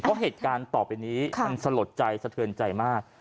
เพราะเหตุการณ์ต่อไปนี้มันสลดใจสะเทือนใจมาก